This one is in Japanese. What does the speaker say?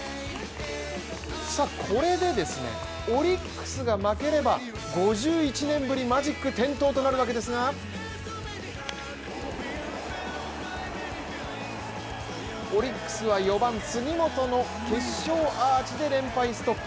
これでオリックスが負ければ５１年ぶりマジック点灯となるわけですがオリックスは４番・杉本の決勝アーチで連敗ストップ。